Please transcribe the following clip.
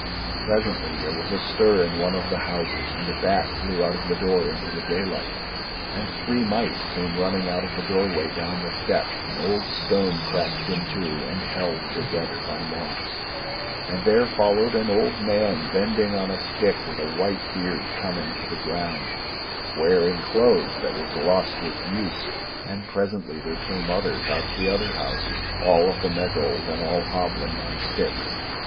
Presently there was a stir in one of the houses, and a bat flew out of the door into the daylight, and three mice came running out of the doorway down the step, an old stone cracked in two and held together by moss; and there followed an old man bending on a stick with a white beard coming to the ground, wearing clothes that were glossed with use, and presently there came others out of the other houses, all of them as old, and all hobbling on sticks.